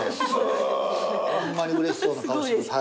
ホンマにうれしそうな顔して。